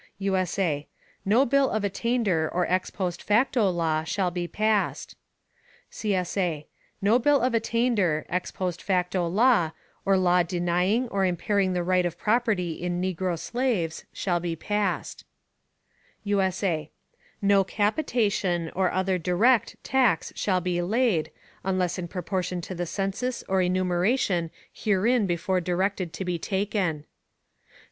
[USA] No Bill of Attainder or ex post facto Law shall be passed. [CSA] No bill of attainder, ex post facto law, or law denying or impairing the right of property in negro slaves shall be passed. [USA] No Capitation, or other direct, Tax shall be laid, unless in Proportion to the Census or Enumeration herein before directed to be taken.